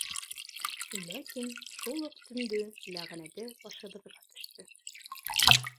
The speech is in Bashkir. Ләкин шул уҡ төндө ләғнәте башыбыҙға төштө.